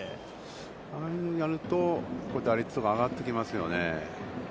ああやると打率とか、上がってきますよね。